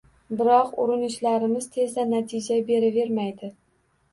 Biroq urinishlarimiz tezda natija beravermaydi.